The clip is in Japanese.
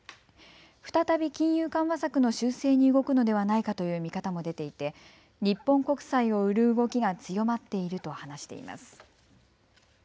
再び金融緩和策の修正に動くのではないかという見方も出ていて日本国債を売る動きが強まっていると話しています。